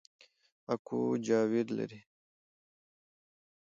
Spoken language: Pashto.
اکو جاوید لري